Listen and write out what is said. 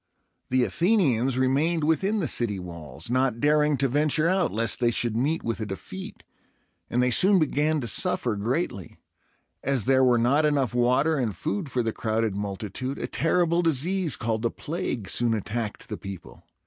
The Athenians remained within the city walls, not daring to venture out lest they should meet with a defeat, and they soon began to suffer greatly. As there were not enough water and food for the crowded multitude, a terrible disease called the plague soon attacked the people.